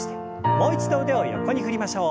もう一度腕を横に振りましょう。